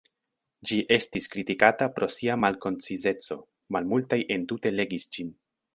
Ĝi estis kritikata pro sia “malkoncizeco”, malmultaj entute legis ĝin.